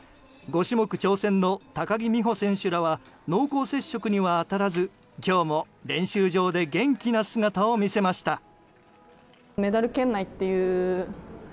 ５種目挑戦の高木美帆選手選手らは濃厚接触には当たらず今日も練習場で元気な姿を見せました。